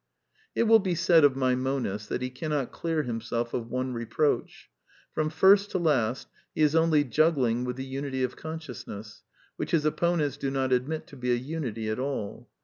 It will be said of my monist that he cannot clear him self of one reproach : from first to last he is only juggling with the unity of consciousness, which his opponents do not admit to be a unity at all.